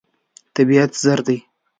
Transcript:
طبیعت زر دی.